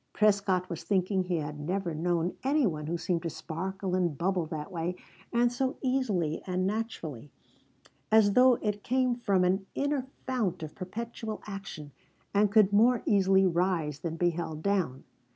Prescott was thinking he had never known any one who seemed to sparkle and bubble that way; and so easily and naturally, as though it came from an inner fount of perpetual action, and could more easily rise than be held down.